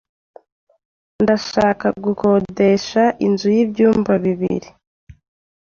Ndashaka gukodesha inzu y'ibyumba bibiri.